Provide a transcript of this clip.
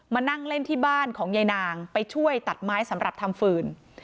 มานั่งเล่นที่บ้านของยายนางไปช่วยตัดไม้สำหรับทำฟืน